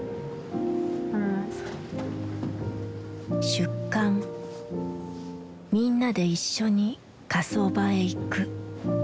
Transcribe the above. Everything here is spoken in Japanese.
出棺みんなで一緒に火葬場へ行く。